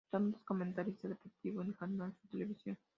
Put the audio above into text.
Actualmente es comentarista deportivo en Canal Sur Televisión.